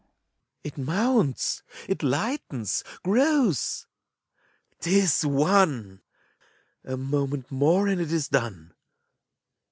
It mounts, it lightens, grows, — ^'t is won! A moment more, and it is done!